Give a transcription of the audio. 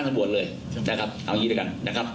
นะครับผมก็ต้องให้การว่าเขาให้การขัดแย้งข้อเรียกจริงนะครับ